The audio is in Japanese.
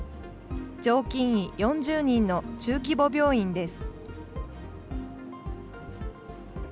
常勤医４０人の中規模病院です。